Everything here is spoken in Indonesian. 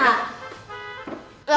mak deh makan